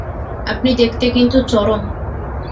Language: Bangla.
আপনি দেখতে কিন্তু চরম।